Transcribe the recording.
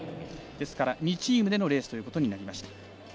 ですから、２チームでのレースということになりました。